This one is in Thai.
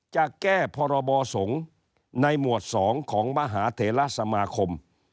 จะแก้พรบสงฆ์ในหมวด๒ของมหาเถระสมาคม